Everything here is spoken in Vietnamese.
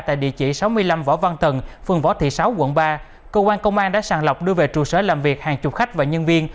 tại địa chỉ sáu mươi năm võ văn tần phường võ thị sáu quận ba cơ quan công an đã sàng lọc đưa về trụ sở làm việc hàng chục khách và nhân viên